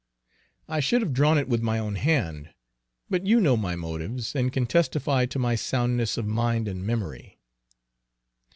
I should have drawn it with my own hand; but you know my motives, and can testify to my soundness of mind and memory."